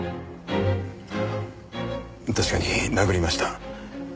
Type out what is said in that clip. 確かに殴りました。